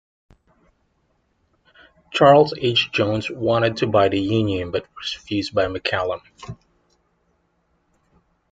Charles H. Jones wanted to buy the "Union" but was refused by McCallum.